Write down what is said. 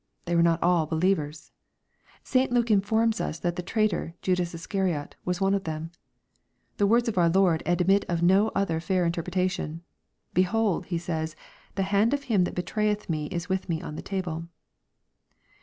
They were not all believers. St. Luko in forms us that the traitor, Judas Iscariot, was one of thenx. The words of our Lord admit of no other fair in terpretation. " Behold," He says, " the hand of him that betrayeth me is with me on the table."